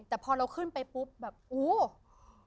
แต่พอเราขึ้นไปปุ๊บแบบอู้